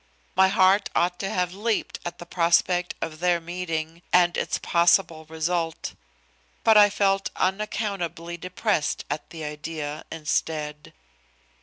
My heart ought to have leaped at the prospect of their meeting and its possible result. But I felt unaccountably depressed at the idea, instead.